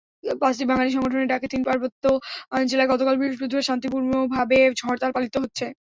পাঁচটি বাঙালি সংগঠনের ডাকে তিন পার্বত্য জেলায় গতকাল বৃহস্পতিবার শান্তিপূর্ণভাবে হরতাল পালিত হয়েছে।